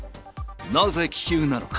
なぜ気球なのか。